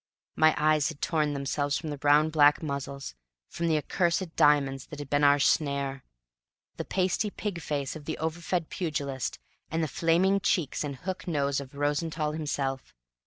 My eyes had torn themselves from the round black muzzles, from the accursed diamonds that had been our snare, the pasty pig face of the over fed pugilist, and the flaming cheeks and hook nose of Rosenthall himself.